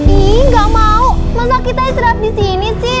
ih gak mau masa kita israp di sini sih